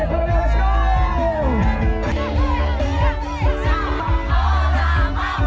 gak nyanyi sampe full padahal